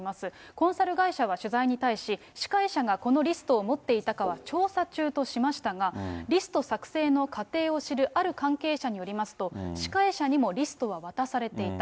コンサル会社は取材に対し、司会者がこのリストを持っていたかは調査中としましたが、リスト作成の過程を知るある関係者によりますと、司会者にもリストは渡されていた。